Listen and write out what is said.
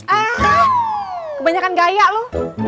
ah kebanyakan gaya lu